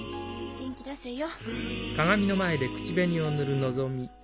元気出せよ。